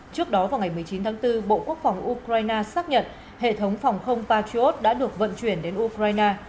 trước đó vào ngày một mươi chín tháng bốn bộ quốc phòng ukraine xác nhận hệ thống phòng không patriot đã được vận chuyển đến ukraine